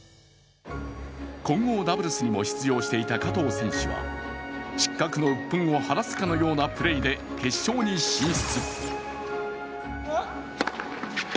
混合ダブルスにも出場していた、加藤選手は失格のうっぷんを晴らすかのようなプレーで決勝に進出。